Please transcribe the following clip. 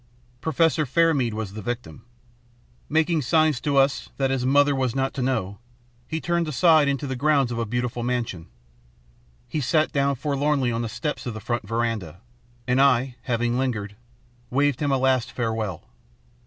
Professor Fairmead was the victim. Making signs to us that his mother was not to know, he turned aside into the grounds of a beautiful mansion. He sat down forlornly on the steps of the front veranda, and I, having lingered, waved him a last farewell.